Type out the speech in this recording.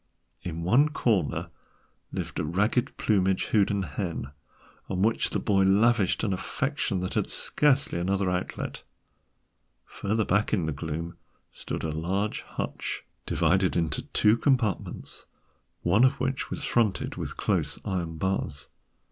In one corner lived a ragged plumaged Houdan hen, on which the boy lavished an affection that had scarcely another outlet. Further back in the gloom stood a large hutch, divided into two compartments, one of which was fronted with close iron bars.